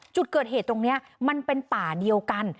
จุดเกิดเหตุตรงนี้มันเป็นป่าเดียวกัน